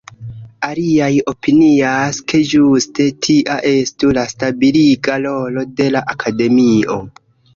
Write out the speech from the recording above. Aliaj opinias, ke ĝuste tia estu la stabiliga rolo de la Akademio.